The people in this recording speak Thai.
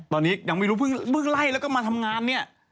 ตอนนี้ยังไม่รู้เพิ่งไล่แล้วก็มาทำงานเนี่ย